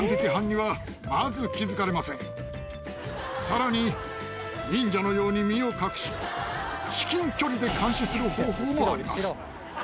さらに忍者のように身を隠し至近距離で監視する方法もあります。